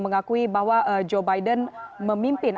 mengakui bahwa joe biden memimpin